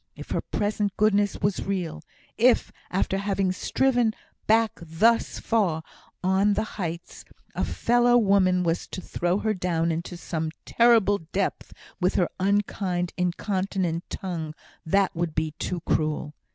If her present goodness was real if, after having striven back thus far on the heights, a fellow woman was to throw her down into some terrible depth with her unkind, incontinent tongue, that would be too cruel!